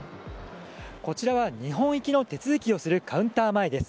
こちらは日本行きの手続きをするカウンター前です。